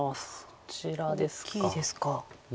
そちらですか。